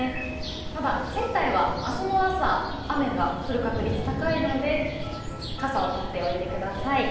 ただ、仙台は明日の朝、雨が降る確率が高いので傘を持っておいてください。